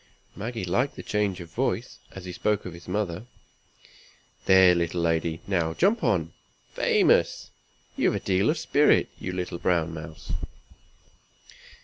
Maggie liked the change of voice, as he spoke of his mother. "There, little lady! now jump down. Famous! you've a deal of spirit, you little brown mouse."